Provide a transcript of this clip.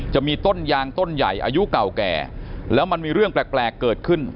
จะมีต้นยางต้นใหญ่อายุเก่าแก่แล้วมันมีเรื่องแปลกเกิดขึ้น